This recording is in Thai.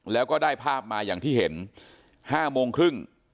แล้วก็ได้ภาพมาอย่างที่เห็น๕โมงครึ่ง